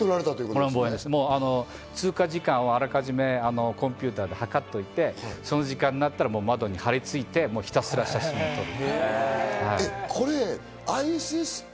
あらかじめ通過時間をコンピューターで計っておいて、その時間になったら、窓に張り付いて、ひたすら写真を撮る。